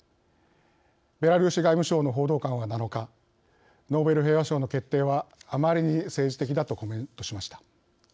ベラルーシ外務省の報道官は７日「ノーベル平和賞の決定はあまりに政治的だ」とコメントしました。